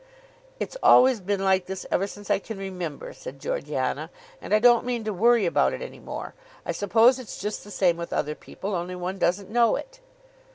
"It's always been like this ever since I can remember," said Georgiana, "and I don't mean to worry about it any more. I suppose it's just the same with other people, only one doesn't know it."